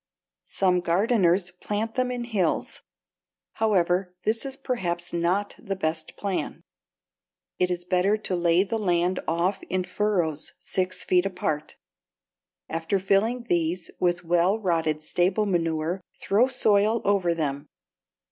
Some gardeners plant them in hills. However, this is perhaps not the best plan. It is better to lay the land off in furrows six feet apart. After filling these with well rotted stable manure, throw soil over them.